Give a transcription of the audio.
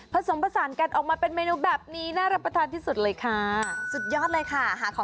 ผสมผสานกันออกมาเป็นเมนูแบบนี้น่ารับประทานที่สุดเลยค่ะสุดยอดเลยค่ะหาของ